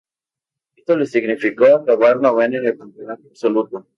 Esto le significó acabar noveno en el campeonato absoluto.